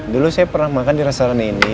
dulu saya pernah makan di restoran ini